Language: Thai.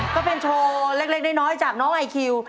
ก็เป็นโชว์เล็กน้อยจากน้องไอคิว